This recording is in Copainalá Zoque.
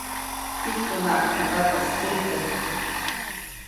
ʼIjtunaʼajk teʼ ndataʼis ʼyejtäjk.